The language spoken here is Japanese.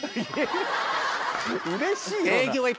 「うれしいよな」？